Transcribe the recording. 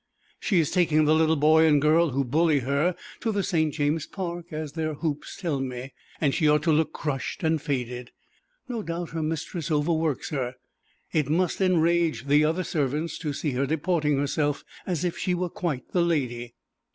She is taking the little boy and girl, who bully her, to the St. James's Park, as their hoops tell me, and she ought to look crushed and faded. No doubt her mistress overworks her. It must enrage the other servants to see her deporting herself as if she were quite the lady.